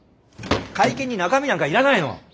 会見に中身なんかいらないの！